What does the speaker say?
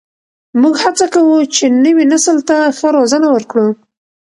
موږ هڅه کوو چې نوي نسل ته ښه روزنه ورکړو.